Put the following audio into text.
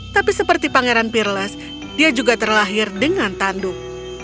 tapi seperti pangeran pirles dia juga terlahir dengan tanduk